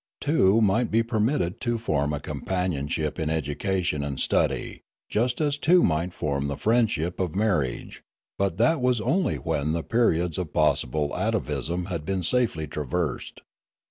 Two might be permitted to form a companionship in education and study, just as two might form the friendship of mar riage; but that was only when the periods of possible atavism had been safely traversed.